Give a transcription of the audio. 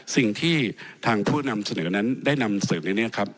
สิ่งที่ทางผู้นำเสนอนั้นได้นำเสริมในนี้ครับ